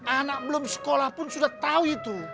anak belum sekolah pun sudah tahu itu